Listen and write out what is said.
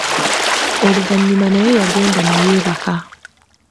Oluvannyuma naye yagenda ne yeebaka .